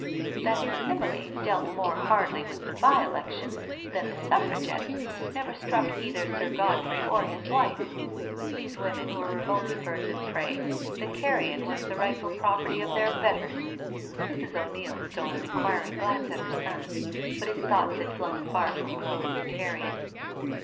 '' That his simile dealt more hardly with the by election than the Suffragettes, never struck either Sir Godfrey or his wife. These women were revolting birds of prey, the carrion was the rightful property of their betters. Mrs. Q'Neil stole an inquiring glance at her son, but his thoughts had flown far from crows and carrion.